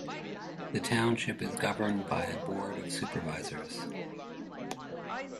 The township is governed by a Board of Supervisors.